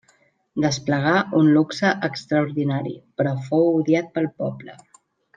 Desplegà un luxe extraordinari, però fou odiat pel poble.